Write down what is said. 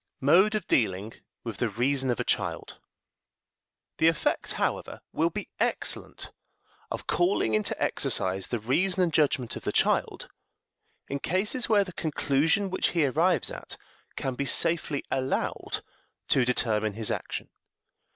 Mode of Dealing with the Reason of a Child. The effect, however, will be excellent of calling into exercise the reason and the judgment of the child in cases where the conclusion which he arrives at can be safely allowed to determine his action.